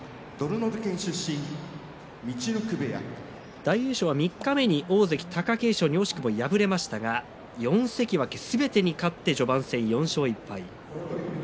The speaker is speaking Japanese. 大栄翔は三日目に大関貴景勝に惜しくも敗れましたが、４関脇すべてに勝って序盤戦４勝１敗。